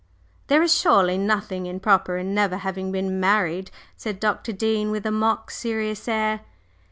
"There is surely nothing improper in never having been married," said Dr. Dean, with a mock serious air.